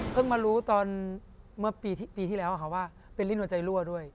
มารู้ตอนเมื่อปีที่แล้วค่ะว่าเป็นลิ้นหัวใจรั่วด้วย